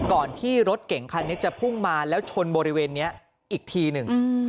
ก่อนที่รถเก่งคันนี้จะพุ่งมาแล้วชนบริเวณนี้อีกทีหนึ่ง